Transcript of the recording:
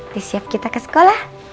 disiap kita ke sekolah